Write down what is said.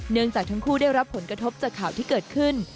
จากทั้งคู่ได้รับผลกระทบจากข่าวที่เกิดขึ้น